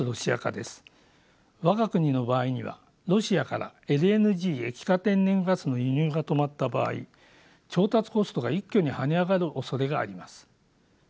我が国の場合にはロシアからＬＮＧ液化天然ガスの輸入が止まった場合調達コストが一挙に跳ね上がるおそれがあります。